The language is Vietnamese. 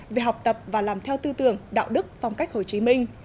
về học tập và làm theo tư tưởng đạo đức phong cách hồ chí minh